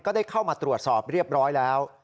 ได้เข้ามาตรวจสอบเรียบร้อยแล้ว